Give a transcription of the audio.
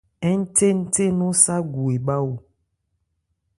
Ńthénthé nɔn Ságu ebhá o.